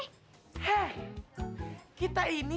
heh kita ini